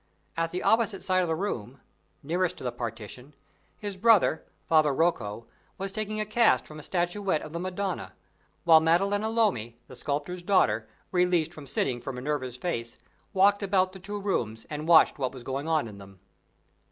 At the opposite side of the room, nearest to the partition, his brother, Father Rocco, was taking a cast from a statuette of the Madonna; while Maddalena Lomi, the sculptor's daughter, released from sitting for Minerva's face, walked about the two rooms, and watched what was going on in them.